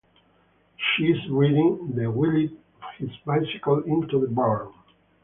“She’s reading.” He wheeled his bicycle into the barn.